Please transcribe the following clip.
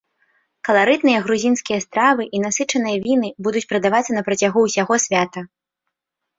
Каларытныя грузінскія стравы і насычаныя віны будуць прадавацца на працягу ўсяго свята.